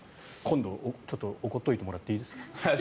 今度怒っておいてもらっていいですか？